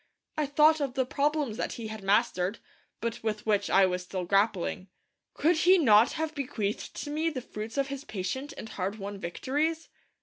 I thought of the problems that he had mastered, but with which I was still grappling. Could he not have bequeathed to me the fruits of his patient and hard won victories?